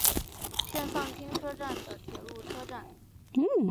片仓町车站的铁路车站。